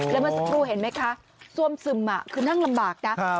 แล้วเมื่อสักครู่เห็นไหมคะซ่วมซึมคือนั่งลำบากนะ